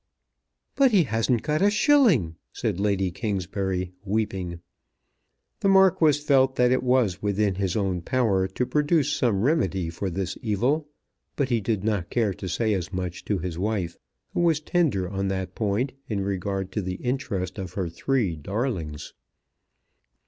"But he hasn't got a shilling," said Lady Kingsbury weeping. The Marquis felt that it was within his own power to produce some remedy for this evil, but he did not care to say as much to his wife, who was tender on that point in regard to the interest of her three darlings.